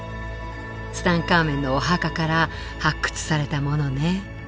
ツタンカーメンのお墓から発掘されたものね。